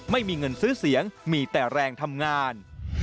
ไม่มีเงินซื้อเสียงมีแต่แรงทำงาน